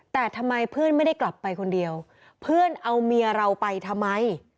แต่ทำไมเพื่อนไม่ได้กลับไปคนเดียวเพื่อนเอาเมียเราไปทำไม